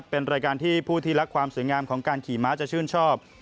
เป็นรายการที่ผู้ที่รักความสวยงามของการขี่ม้าจะชื่นชอบ